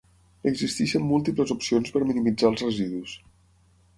Existeixen múltiples opcions per minimitzar els residus.